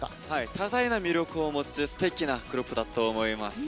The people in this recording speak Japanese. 多彩な魅力を持つすてきなグループだと思います。